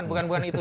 bukan bukan itu